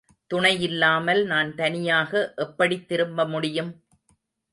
துணையில்லாமல் நான் தனியாக எப்படித் திரும்ப முடியும்?